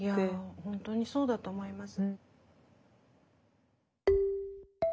本当にそうだと思います。